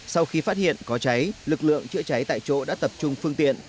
sau khi phát hiện có cháy lực lượng chữa cháy tại chỗ đã tập trung phương tiện